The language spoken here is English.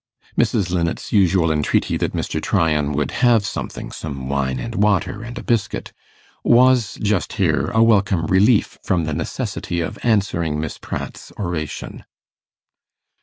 Mrs. Linnet's usual entreaty that Mr. Tryan would 'have something some wine and water and a biscuit', was just here a welcome relief from the necessity of answering Miss Pratt's oration.